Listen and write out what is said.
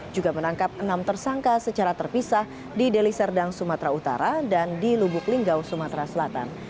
juga menangkap enam tersangka secara terpisah di deli serdang sumatera utara dan di lubuk linggau sumatera selatan